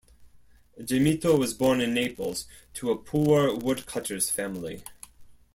Gemito was born in Naples to a poor woodcutter's family.